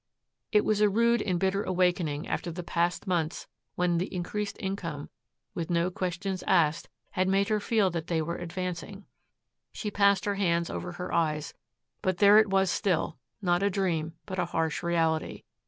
It was a rude and bitter awakening after the past months when the increased income, with no questions asked, had made her feel that they were advancing. She passed her hands over her eyes, but there it was still, not a dream but a harsh reality.